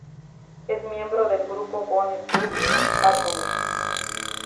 Es miembro del grupo Bone Thugs-N-Harmony.